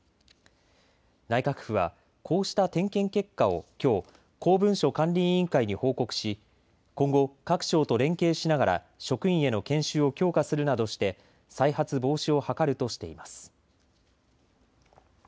内閣府は、こうした点検結果をきょう公文書管理委員会に報告し今後、各省と連携しながら職員への研修を強化するなどして再発防止を図るとしています。